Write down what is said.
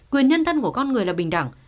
quyền nhân thân của con người là bình đẳng